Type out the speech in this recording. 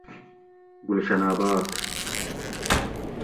گلشن آباد